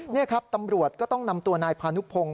นี่ครับตำรวจก็ต้องนำตัวนายพานุพงศ